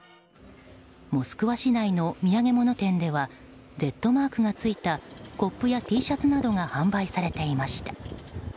モスクワ市内の土産物店ではＺマークがついたコップやＴシャツなどが販売されていました。